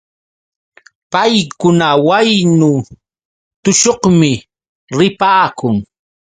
Paykuna waynu tushuqmi ripaakun.